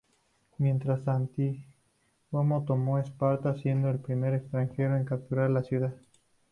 Mientras, Antígono tomó Esparta, siendo el primer extranjero en capturar la ciudad.